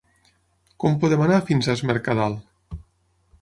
Com podem anar fins a Es Mercadal?